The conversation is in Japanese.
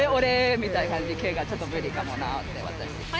みたいな感じ系がちょっと無理かもなって。